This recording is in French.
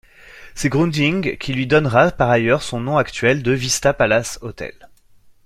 C’est Grundig qui lui donnera par ailleurs son nom actuel de Vista Palace Hôtel.